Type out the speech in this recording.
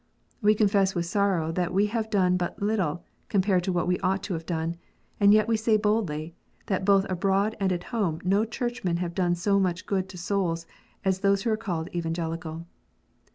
We confess with sorrow that we have done but little compared to what we ought to have done ; and yet we say boldly, that both abroad and at home no Churchmen have done so much good to souls as those who are called Evangelical.